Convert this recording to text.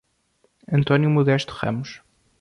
Antônio Modesto Ramos